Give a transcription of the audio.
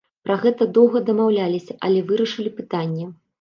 Пра гэта доўга дамаўляліся, але вырашылі пытанне.